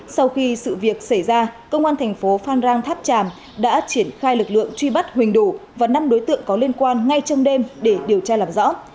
sau khi sự việc xảy ra công an thành phố phan rang tháp tràm đã triển khai lực lượng truy bắt huỳnh đủ và năm đối tượng có liên quan ngay trong đêm để điều tra làm rõ